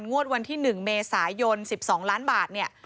งวดวันที่๑เมษายน๑๒ล้านบาทเนี่ย